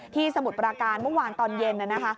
ที่สมุดประการเมื่อวานตอนเย็น